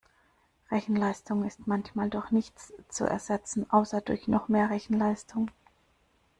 Rechenleistung ist manchmal durch nichts zu ersetzen, außer durch noch mehr Rechenleistung.